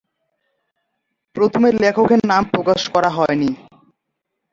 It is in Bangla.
প্রথমে লেখকের নাম প্রকাশ করা হয়নি।